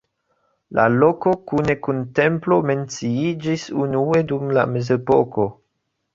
La loko kune kun templo menciiĝis unue dum la mezepoko.